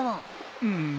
うん。